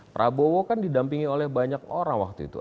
prabowo kan didampingi oleh banyak orang waktu itu